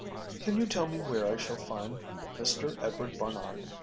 "Can you tell me where I shall find Mr Edward Barnard?